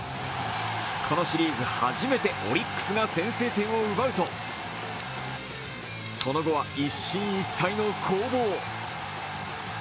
このシリーズ初めてオリックスが先制点を奪うとその後は一進一退の攻防。